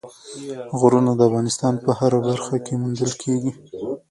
غرونه د افغانستان په هره برخه کې موندل کېږي.